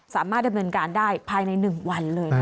สามารถดำเนินการได้ภายในหนึ่งวันเลยค่ะ